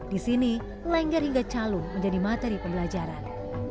di sini lengger hingga calung menjadi materi pembelajaran